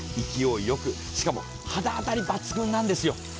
勢いよくしかも肌当たり抜群なんですよ。